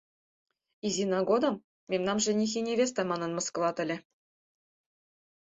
— Изина годым мемнам «жених и невеста» манын мыскылат ыле.